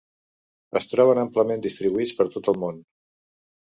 Es troben amplament distribuïts per tot el món.